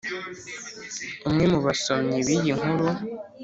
umwe mu basomyi b'iyi nkuru